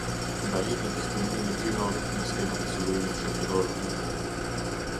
Ndalimi i diskriminimit gjinor në skemat e sigurimit shoqëror në punë.